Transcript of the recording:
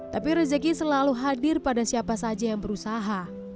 tapi rezeki selalu hadir pada siapa saja yang berusaha